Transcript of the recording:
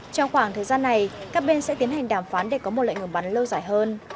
trong khoảng thời gian này các bên sẽ tiến hành đàm phán để có một lệnh ngừng bắn lâu dài hơn